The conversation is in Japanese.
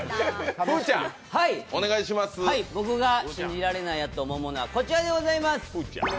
僕が信じられないと思うものはこちらでございます。